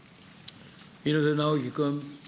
猪瀬直樹君。